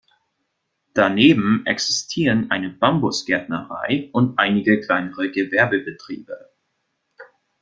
Daneben existieren eine Bambus-Gärtnerei und einige kleinere Gewerbebetriebe.